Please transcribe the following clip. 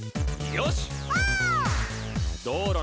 よし！